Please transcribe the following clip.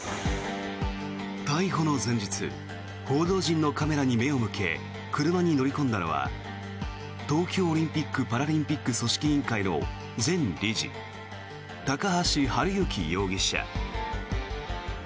逮捕の前日報道陣のカメラに目を向け車に乗り込んだのは東京オリンピック・パラリンピック組織委員会の前理事高橋治之容疑者。